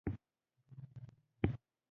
غول د هاضمې تاریخي سند دی.